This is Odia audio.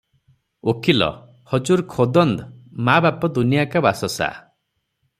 ଓକିଲ - "ହଜୁର ଖୋଦନ୍ଦ୍ - ମା ବାପ ଦୁନିଆକା ବାସସା ।